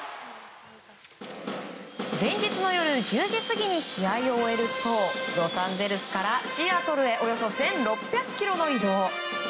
前日の夜１０時過ぎに試合を終えるとロサンゼルスからシアトルへおよそ１６００ｋｍの移動。